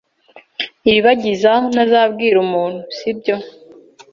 Iribagiza ntazabwira umuntu, sibyo?